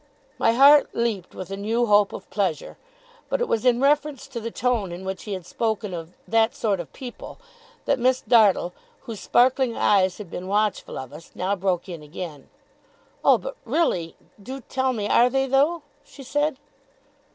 My heart leaped with a new hope of pleasure. But it was in reference to the tone in which he had spoken of 'that sort of people', that Miss Dartle, whose sparkling eyes had been watchful of us, now broke in again. 'Oh, but, really? Do tell me. Are they, though?' she said.